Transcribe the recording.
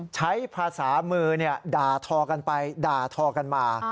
ใช้ภาษามือด่าทอกันไปด่าทอกันมา